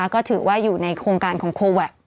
ก็ถือว่าอยู่ในโครงการของโคแวค